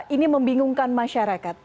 ini membingungkan masyarakat